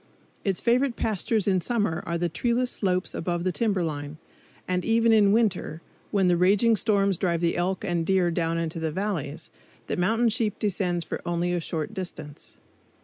Its favorite pastures in summer are the treeless slopes above the timber line; and even in winter, when the raging storms drive the elk and deer down into the valleys, the mountain sheep descends for only a short distance.